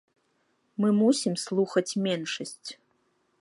Мы мусім слухаць меншасць.